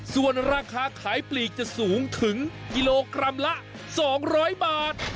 ส่วนราคาขายปลีกจะสูงถึงกิโลกรัมละ๒๐๐บาท